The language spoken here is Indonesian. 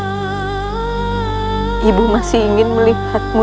tidak ada kesalahan